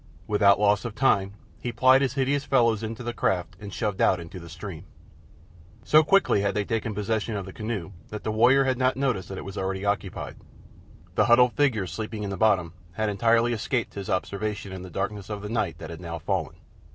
Without loss of time he piled his hideous fellows into the craft and shoved out into the stream. So quickly had they taken possession of the canoe that the warrior had not noticed that it was already occupied. The huddled figure sleeping in the bottom had entirely escaped his observation in the darkness of the night that had now fallen.